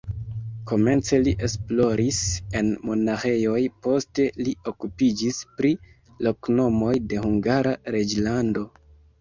Komence li esploris en monaĥejoj, poste li okupiĝis pri loknomoj de Hungara reĝlando.